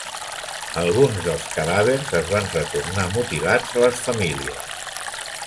Alguns dels cadàvers es van retornar mutilats a les famílies.